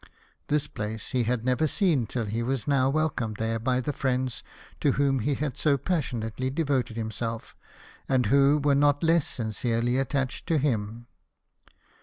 This place he had never seen till he was now welcomed there by the friends to whom he had so passionately devoted himself, and who were not less sincerely attached to him.